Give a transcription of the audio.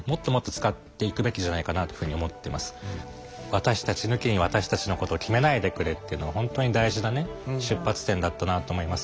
「私たち抜きに私たちのことを決めないでくれ」っていうのは本当に大事な出発点だったなと思います。